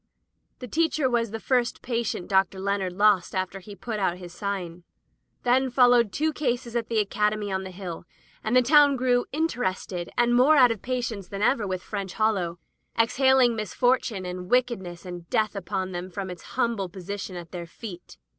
The teacher was the first patient Dr. Leonard lost after he put out his sign. Then followed two cases at the Academy on the Hill, and the town grew interested and more out of patience than ever with French Hollow, exhaling misfortune, and wickedness, and death upon them, from its humble position at their feet.